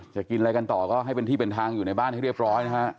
จะกินอะไรกันต่อก็ให้เป็นที่เป็นทางอยู่ในบ้านให้เรียบร้อยนะฮะ